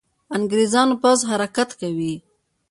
انګرېزانو پوځ حرکت کوي.